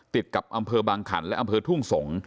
ติดกับอำเภอบางขันและอำเภอทุ่งสงศ